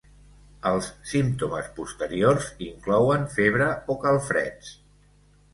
Els símptomes posteriors inclouen febre o calfreds.